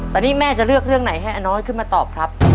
ตอนนี้แม่จะเลือกเรื่องไหนให้อาน้อยขึ้นมาตอบครับ